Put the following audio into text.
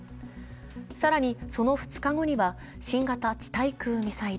更にその２日後には新型地対空ミサイル。